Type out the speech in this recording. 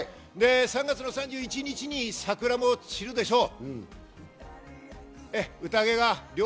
３月３１日に桜も散るでしょう。